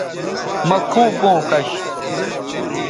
مہ کھوں پوں کش